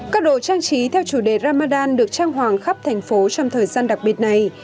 các đồ trang trí theo chủ đề ramadan được trang hoàng khắp thành phố trong thời gian đặc biệt này